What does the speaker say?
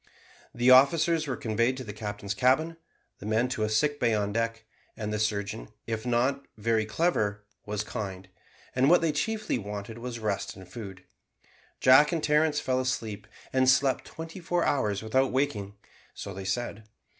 The officers were conveyed to the captain's cabin, the men to a sick bay on deck; and the surgeon, if not very clever, was kind; and what they chiefly wanted was rest and food. Jack and Terence fell asleep, and slept twenty four hours without waking: so they said.